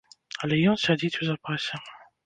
Але ён сядзіць у запасе.